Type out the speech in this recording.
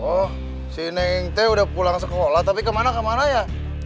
oh si nenek udah pulang sekolah tapi kemana kemana ya